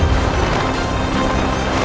itu adalah kehormatan untukku